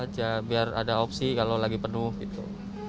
tetap aja biar ada opsi kalau lagi penuh gitu